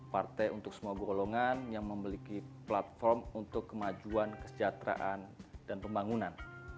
partai untuk semua golongan yang memiliki platform untuk kemajuan kesejahteraan dan pembangunan